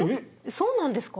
そうなんですか？